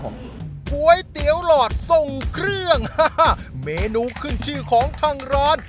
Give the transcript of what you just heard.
ก๋วยเตี๋ยวหลอดส่งเครื่องเมนูขึ้นชื่อของทางร้าน